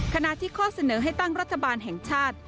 ขณะที่ข้อเสนอให้ตั้งรัฐบาลแห่งชาติ